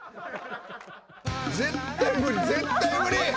絶対無理絶対無理。